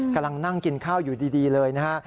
กำลังนั่งกินข้าวอยู่ดีเลยนะฮะ